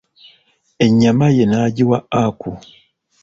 Ennyama ye n'agiwa Aku.